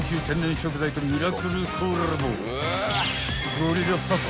［ゴリラパパ